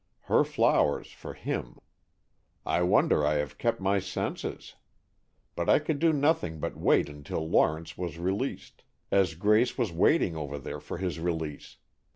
Her flowers for him! I wonder I have kept my senses. But I could do nothing but wait until Lawrence was released, as Grace was waiting over there for his release!